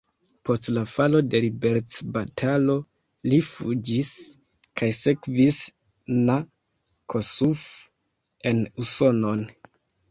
Post la falo de liberecbatalo li fuĝis kaj sekvis na Kossuth en Usonon.